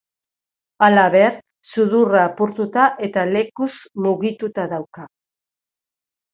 Halaber, sudurra apurtuta eta lekuz mugituta dauka.